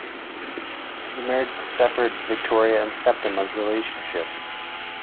The marriage severed Victoria and Septima's relationship.